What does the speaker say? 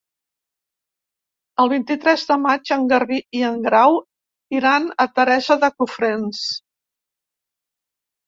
El vint-i-tres de maig en Garbí i en Grau iran a Teresa de Cofrents.